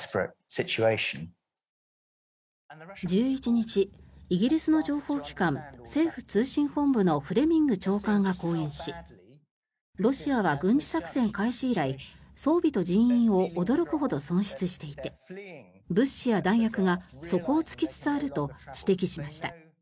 １１日、イギリスの情報機関政府通信本部のフレミング長官が講演しロシアは軍事作戦開始以来装備と人員を驚くほど損失していて物資や弾薬が底を突きつつあると指摘しました。